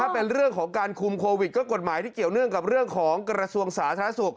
โปรวิทย์ก็กฎหมายที่เกี่ยวเนื่องกับเรื่องของกระทรวงศาสนสุข